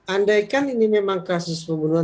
andaikan ini memang kasusnya